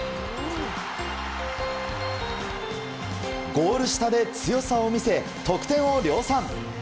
ゴール下で強さを見せ得点を量産。